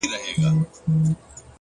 لوړ همت د سترو کارونو پیل دی!